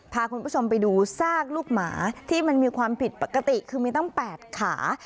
พาคุณผู้ชมไปดูซากลูกหมาที่มันมีความผิดปกติคือมีตั้ง๘ขา